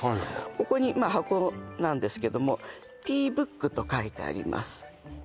ここにまあ箱なんですけども「ＴｅａＢｏｏｋ」と書いてあります